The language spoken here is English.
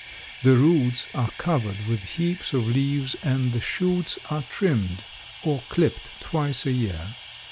The roots are covered with heaps of leaves and the shoots are trimmed or clipped twice a year.